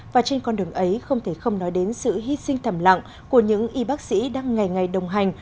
và trên con đường ấy không thể không nói đến sự hy sinh thầm lặng của những y bác sĩ đang ngày ngày đồng hành